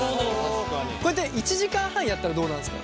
これって１時間半やったらどうなるんですか？